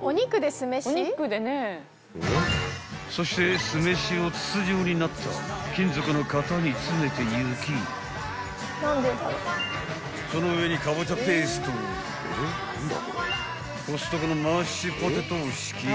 ［そして酢飯を筒状になった金属の型に詰めていきその上にカボチャペーストコストコのマッシュポテトを敷き